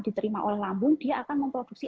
diterima oleh lambung dia akan memproduksi